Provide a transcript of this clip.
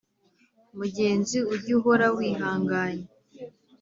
Mugenzi ujy’ uhora wihanganye